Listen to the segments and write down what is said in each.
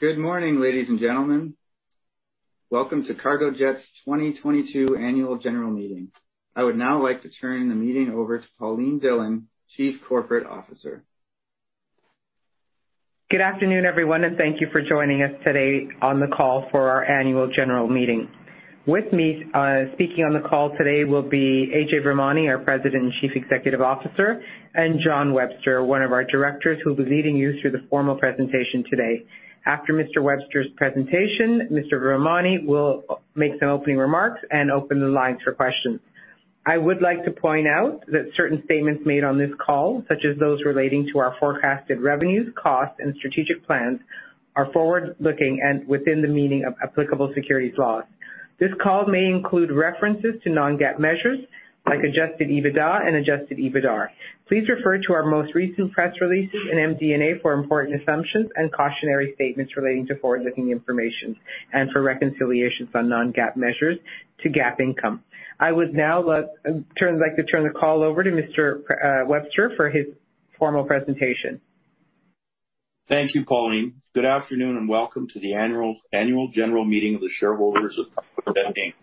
Good morning, ladies and gentlemen. Welcome to Cargojet's 2022 Annual General Meeting. I would now like to turn the meeting over to Pauline Dhillon, Chief Corporate Officer. Good afternoon, everyone, and thank you for joining us today on the call for our annual general meeting. With me, speaking on the call today will be Ajay Virmani, our President and Chief Executive Officer, and John Webster, one of our directors, who will be leading you through the formal presentation today. After Mr. Webster's presentation, Mr. Virmani will make some opening remarks and open the lines for questions. I would like to point out that certain statements made on this call, such as those relating to our forecasted revenues, costs, and strategic plans, are forward-looking and within the meaning of applicable securities laws. This call may include references to Non-GAAP measures like adjusted EBITDA and adjusted EBITDAR. Please refer to our most recent press releases and MD&A for important assumptions and cautionary statements relating to Forward-Looking information and for reconciliations on Non-GAAP measures to GAAP income. I would now like to turn the call over to Mr. Webster for his formal presentation. Thank you, Pauline. Good afternoon, and welcome to the Annual General Meeting of the shareholders of Cargojet Inc.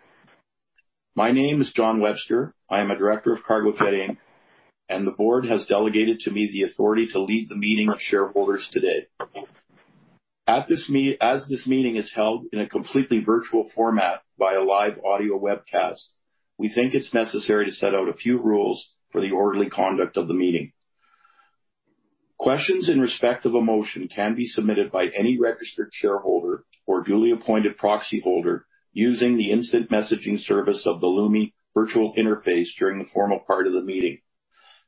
My name is John Webster. I am a director of Cargojet Inc., and the board has delegated to me the authority to lead the meeting of shareholders today. As this meeting is held in a completely virtual format by a live audio webcast, we think it's necessary to set out a few rules for the orderly conduct of the meeting. Questions in respect of a motion can be submitted by any registered shareholder or duly appointed proxy holder using the instant messaging service of the Lumi Virtual Interface during the formal part of the meeting.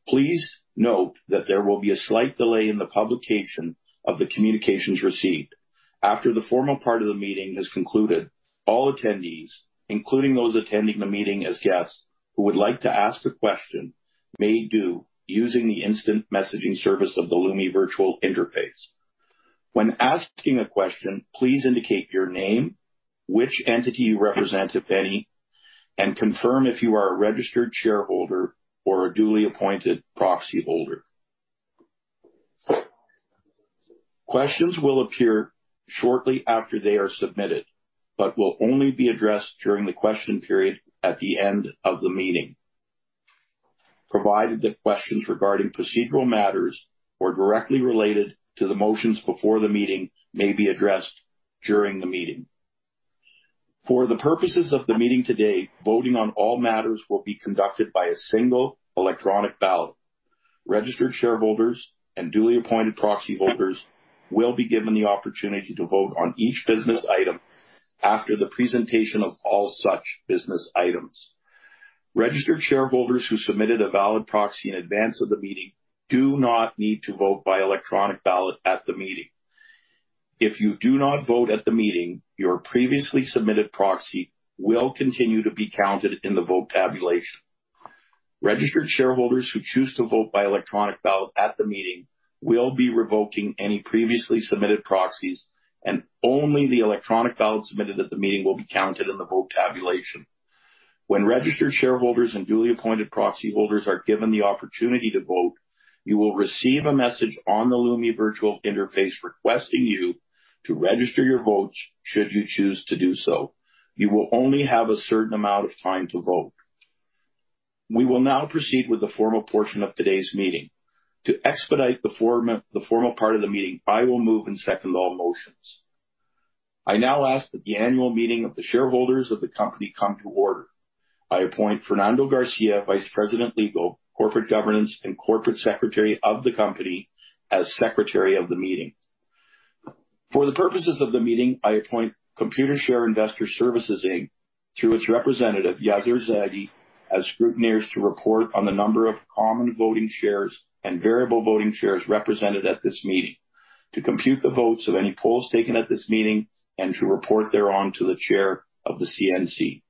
Please note that there will be a slight delay in the publication of the communications received. After the formal part of the meeting has concluded, all attendees, including those attending the meeting as guests who would like to ask a question, may do so using the instant messaging service of the Lumi virtual interface. When asking a question, please indicate your name, which entity you represent, if any, and confirm if you are a registered shareholder or a duly appointed proxy holder. Questions will appear shortly after they are submitted, but will only be addressed during the question period at the end of the meeting, Provided that questions regarding procedural matters or directly related to the motions before the meeting may be addressed during the meeting. For the purposes of the meeting today, voting on all matters will be conducted by a single electronic ballot. Registered shareholders and duly appointed proxy holders will be given the opportunity to vote on each business item after the presentation of all such business items. Registered shareholders who submitted a valid proxy in advance of the meeting do not need to vote by electronic ballot at the meeting. If you do not vote at the meeting, your previously submitted proxy will continue to be counted in the vote tabulation. Registered shareholders who choose to vote by electronic ballot at the meeting will be revoking any previously submitted proxies, and only the electronic ballot submitted at the meeting will be counted in the vote tabulation. When registered shareholders and duly appointed proxy holders are given the opportunity to vote, you will receive a message on the Lumi Virtual Interface requesting you to register your votes, should you choose to do so. You will only have a certain amount of time to vote. We will now proceed with the formal portion of today's meeting. To expedite the formal part of the meeting, I will move and second all motions. I now ask that the annual meeting of the shareholders of the company come to order. I appoint Fernando Garcia, Vice President, Legal, Corporate Governance, and Corporate Secretary of the company, as Secretary of the meeting. For the purposes of the meeting, I appoint Computershare Investor Services Inc., through its representative, Yaser Zaghi, as scrutineers to report on the number of common voting shares and variable voting shares represented at this meeting, to compute the votes of any polls taken at this meeting, and to report thereon to the chair of the meeting.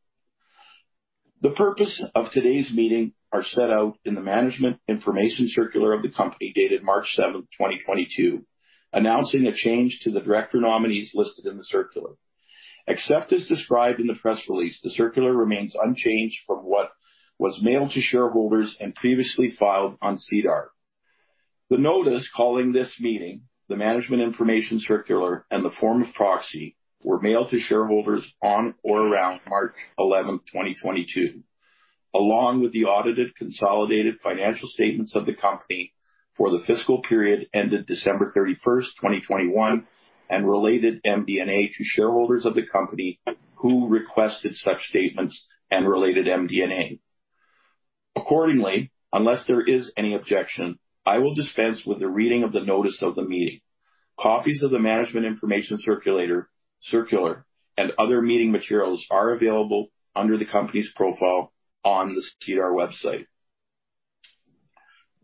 The purpose of today's meeting are set out in the management information circular of the company dated March 7, 2022, announcing a change to the director nominees listed in the circular. Except as described in the press release, the circular remains unchanged from what was mailed to shareholders and previously filed on SEDAR. The notice calling this meeting, the management information circular, and the form of proxy were mailed to shareholders on or around March 11, 2022, along with the audited consolidated financial statements of the company for the fiscal period ended December 31, 2021, and related MD&A to shareholders of the company who requested such statements and related MD&A. Accordingly, unless there is any objection, I will dispense with the reading of the notice of the meeting. Copies of the management information circular and other meeting materials are available under the company's profile on the SEDAR website.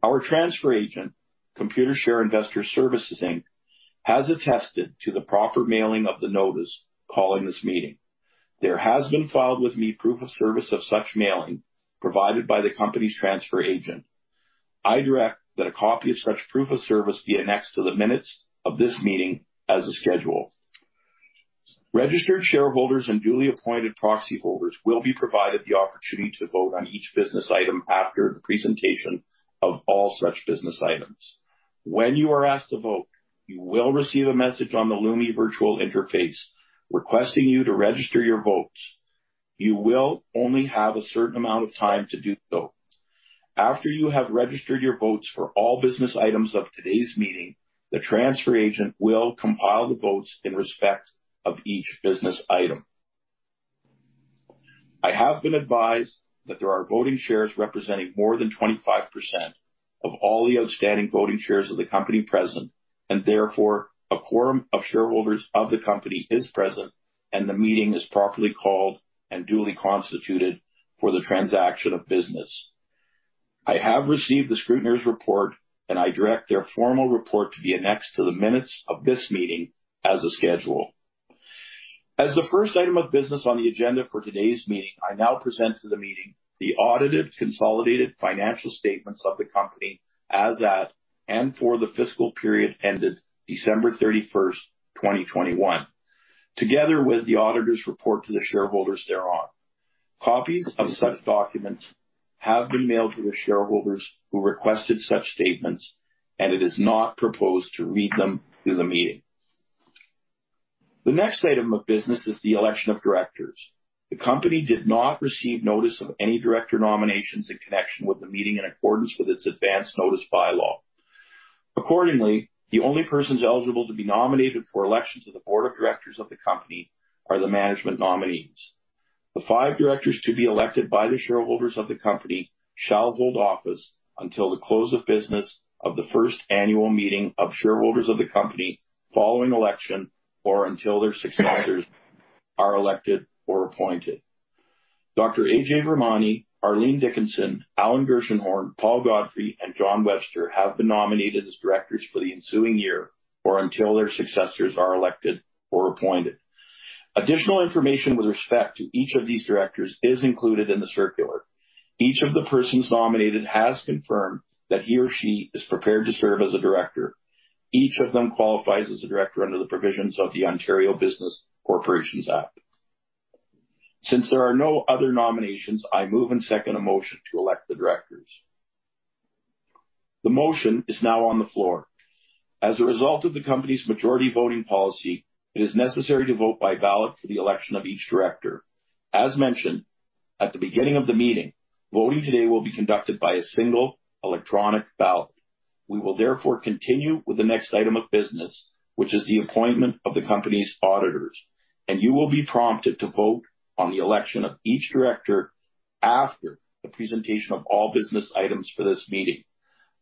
Our transfer agent, Computershare Investor Services Inc., has attested to the proper mailing of the notice calling this meeting. There has been filed with me proof of service of such mailing provided by the company's transfer agent. I direct that a copy of such proof of service be annexed to the minutes of this meeting as a schedule. Registered shareholders and duly appointed proxy holders will be provided the opportunity to vote on each business item after the presentation of all such business items. When you are asked to vote, you will receive a message on the Lumi Virtual Interface requesting you to register your votes. You will only have a certain amount of time to do so. After you have registered your votes for all business items of today's meeting, the transfer agent will compile the votes in respect of each business item. I have been advised that there are voting shares representing more than 25% of all the outstanding voting shares of the company present, and therefore a quorum of shareholders of the company is present, and the meeting is properly called and duly constituted for the transaction of business. I have received the scrutineer's report, and I direct their formal report to be annexed to the minutes of this meeting as a schedule. As the first item of business on the agenda for today's meeting, I now present to the meeting the audited consolidated financial statements of the company as at and for the fiscal period ended December 31, 2021, together with the auditor's report to the shareholders thereon. Copies of such documents have been mailed to the shareholders who requested such statements, and it is not proposed to read them to the meeting. The next item of business is the election of directors. The company did not receive notice of any director nominations in connection with the meeting in accordance with its advanced notice bylaw. Accordingly, the only persons eligible to be nominated for elections of the board of directors of the company are the management nominees. The five directors to be elected by the shareholders of the company shall hold office until the close of business of the first annual meeting of shareholders of the company following election, or until their successors are elected or appointed. Dr. Ajay Virmani, Arlene Dickinson, Alan Gershenhorn, Paul Godfrey, and John Webster have been nominated as directors for the ensuing year or until their successors are elected or appointed. Additional information with respect to each of these directors is included in the circular. Each of the persons nominated has confirmed that he or she is prepared to serve as a director. Each of them qualifies as a director under the provisions of the Ontario Business Corporations Act. Since there are no other nominations, I move and second a motion to elect the directors. The motion is now on the floor. As a result of the company's majority voting policy, it is necessary to vote by ballot for the election of each director. As mentioned at the beginning of the meeting, voting today will be conducted by a single electronic ballot. We will therefore continue with the next item of business, which is the appointment of the company's auditors, and you will be prompted to vote on the election of each director after the presentation of all business items for this meeting.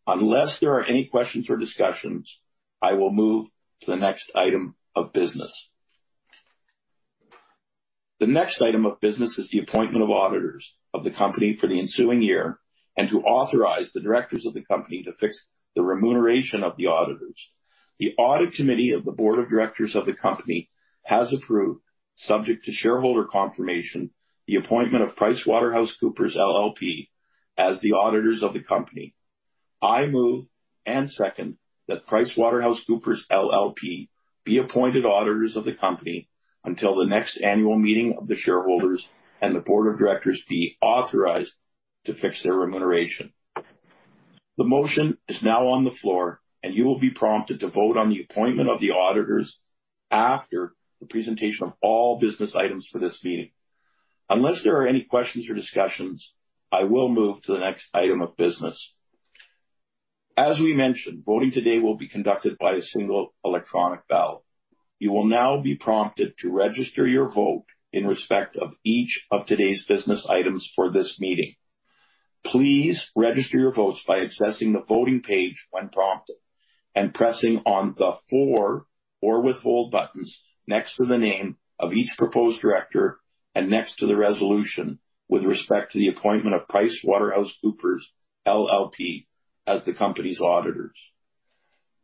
Unless there are any questions or discussions, I will move to the next item of business. The next item of business is the appointment of auditors of the company for the ensuing year and to authorize the directors of the company to fix the remuneration of the auditors. The audit committee of the board of directors of the company has approved, subject to shareholder confirmation, the appointment of PricewaterhouseCoopers LLP as the auditors of the company. I move and second that PricewaterhouseCoopers LLP be appointed auditors of the company until the next annual meeting of the shareholders and the board of directors be authorized to fix their remuneration. The motion is now on the floor, and you will be prompted to vote on the appointment of the auditors after the presentation of all business items for this meeting. Unless there are any questions or discussions, I will move to the next item of business. As we mentioned, voting today will be conducted by a single electronic ballot. You will now be prompted to register your vote in respect of each of today's business items for this meeting. Please register your votes by accessing the voting page when prompted and pressing on the for or withhold buttons next to the name of each proposed director and next to the resolution with respect to the appointment of PricewaterhouseCoopers LLP as the company's auditors.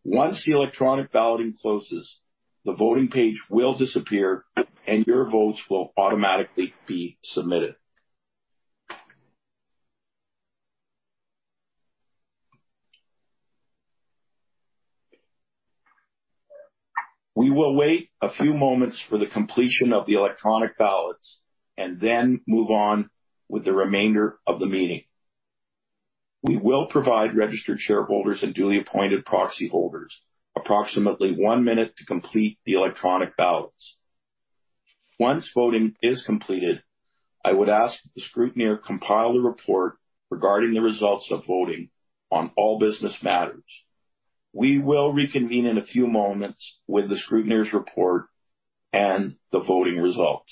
Once the electronic balloting closes, the voting page will disappear, and your votes will automatically be submitted. We will wait a few moments for the completion of the electronic ballots and then move on with the remainder of the meeting. We will provide registered shareholders and duly appointed proxy holders approximately one minute to complete the electronic ballots. Once voting is completed, I would ask that the scrutineer compile the report regarding the results of voting on all business matters. We will reconvene in a few moments with the scrutineer's report and the voting results.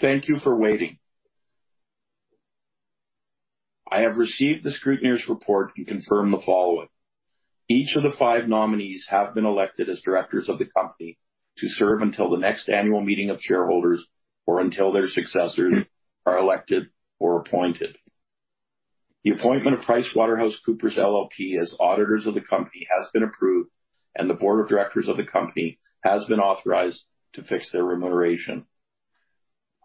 Thank you for waiting. I have received the scrutineer's report and confirm the following. Each of the five nominees have been elected as directors of the company to serve until the next annual meeting of shareholders or until their successors are elected or appointed. The appointment of PricewaterhouseCoopers LLP as auditors of the company has been approved, and the board of directors of the company has been authorized to fix their remuneration.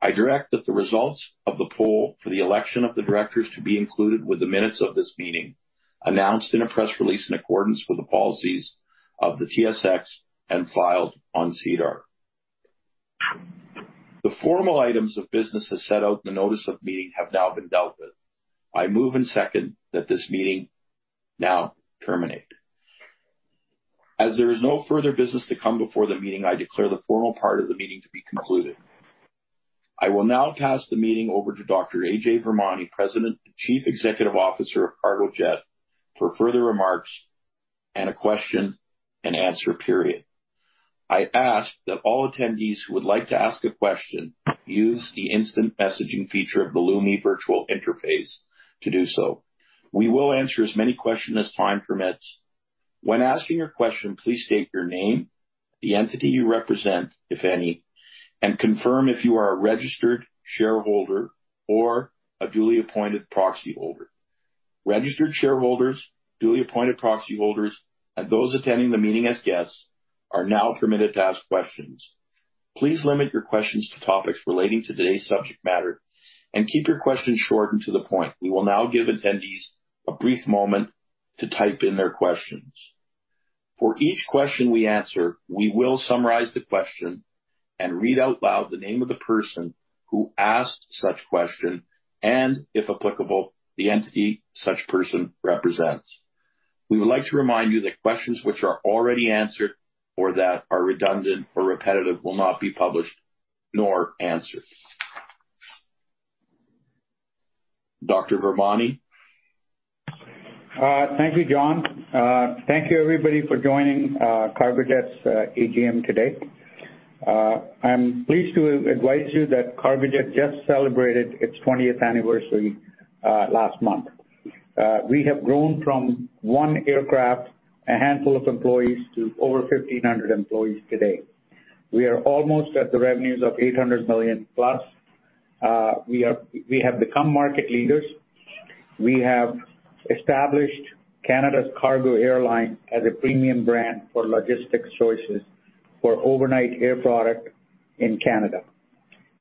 I direct that the results of the poll for the election of the directors to be included with the minutes of this meeting, announced in a press release in accordance with the policies of the TSX and filed on SEDAR. The formal items of business as set out in the notice of meeting have now been dealt with. I move and second that this meeting now terminate. As there is no further business to come before the meeting, I declare the formal part of the meeting to be concluded. I will now pass the meeting over to Dr. Ajay Virmani, President and Chief Executive Officer of Cargojet, for further remarks and a Question-And-Answer Period. I ask that all attendees who would like to ask a question use the instant messaging feature of the Lumi Virtual interface to do so. We will answer as many questions as time permits. When asking your question, please state your name, the entity you represent, if any, and confirm if you are a registered shareholder or a duly appointed proxyholder. Registered shareholders, duly appointed proxyholders, and those attending the meeting as guests are now permitted to ask questions. Please limit your questions to topics relating to today's subject matter and keep your questions short and to the point. We will now give attendees a brief moment to type in their questions. For each question we answer, we will summarize the question and read out loud the name of the person who asked such question and, if applicable, the entity such person represents. We would like to remind you that questions which are already answered or that are redundant or repetitive will not be published nor answered. Dr. Virmani. Thank you, John. Thank you everybody for joining Cargojet's AGM today. I'm pleased to advise you that Cargojet just celebrated its 20th anniversary last month. We have grown from one aircraft, a handful of employees, to over 1,500 employees today. We are almost at the revenues of 800 million-plus. We have become market leaders. We have established Canada's cargo airline as a premium brand for logistics choices for overnight air product in Canada.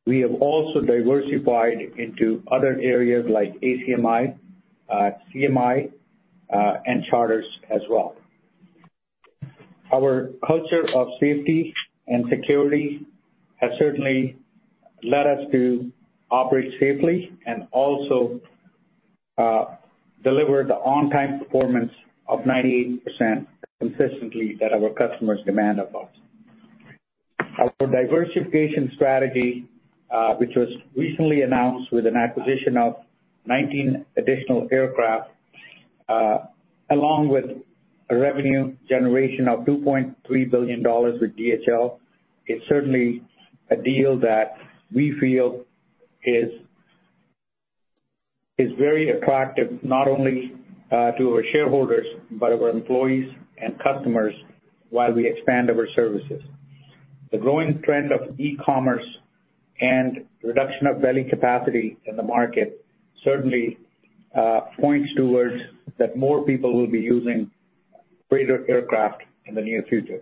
We have also diversified into other areas like ACMI, CMI, and charters as well. Our culture of safety and security has certainly led us to operate safely and also deliver the on-time performance of 98% consistently that our customers demand of us. Our diversification strategy, which was recently announced with an acquisition of 19 additional aircraft, along with a revenue generation of 2.3 billion dollars with DHL, is certainly a deal that we feel is very attractive, not only to our shareholders, but our employees and customers while we expand our services. The growing trend of e-commerce and reduction of belly capacity in the market certainly points towards that more people will be using freighter aircraft in the near future.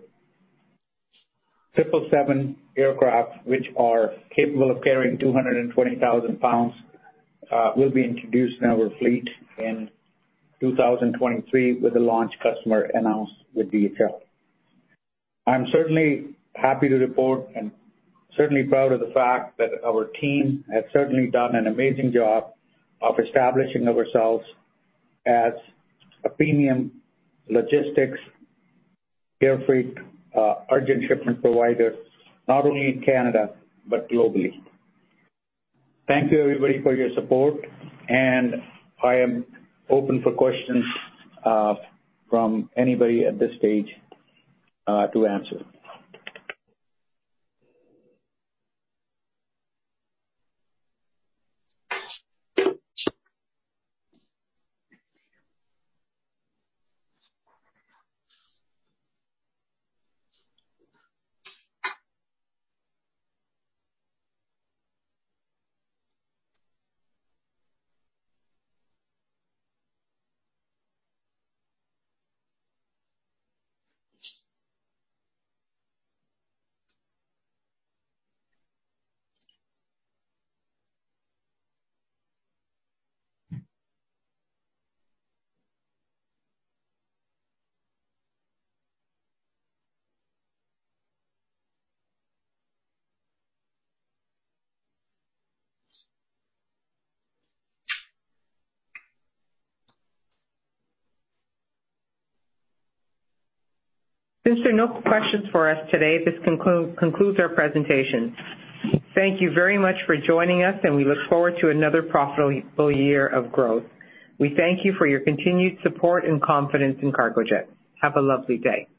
Boeing 777 aircraft, which are capable of carrying 220,000 pounds, will be introduced in our fleet in 2023 with the launch customer announced with DHL. I'm certainly happy to report and certainly proud of the fact that our team has certainly done an amazing job of establishing ourselves as a premium logistics air freight, urgent shipment provider, not only in Canada but globally. Thank you everybody for your support, and I am open for questions, from anybody at this stage, to answer. Since there are no questions for us today, this concludes our presentation. Thank you very much for joining us, and we look forward to another profitable year of growth. We thank you for your continued support and confidence in Cargojet. Have a lovely day.